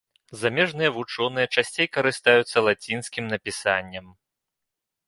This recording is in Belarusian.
Замежныя вучоныя часцей карыстаюцца лацінскім напісаннем.